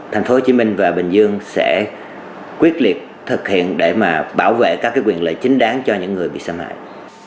thành phố hồ chí minh và bình dương sẽ quyết liệt thực hiện để mà bảo vệ các quyền lợi chính đáng cho những người bị xâm hại